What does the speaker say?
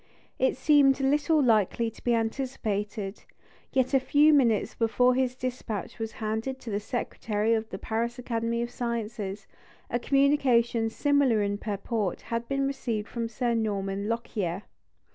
It seemed little likely to be anticipated; yet a few minutes before his despatch was handed to the Secretary of the Paris Academy of Sciences, a communication similar in purport had been received from Sir Norman Lockyer.